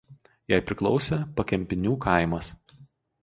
Jai priklausė Pakempinių kaimas.